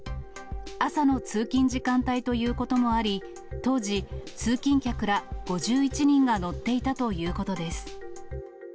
朝の通勤時間帯ということもあり、当時、通勤客ら５１人が乗っていたということです。